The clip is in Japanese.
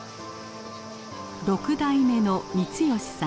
６代目の光良さん。